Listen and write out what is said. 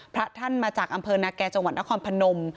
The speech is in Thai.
พระท่านมาจากอำเภอนาแก่จังหวัดนครพนม